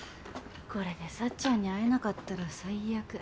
これで幸ちゃんに会えなかったら最悪。